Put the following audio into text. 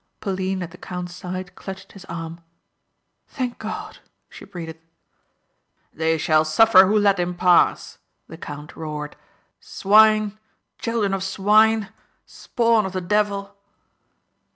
Pauline at the count's side clutched his arm. "Thank God!" she breathed. "They shall suffer who let him pass," the count roared, "Swine, children of swine, spawn of the devil."